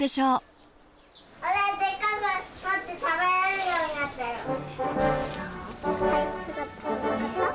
でっかくなって食べられるようになってる！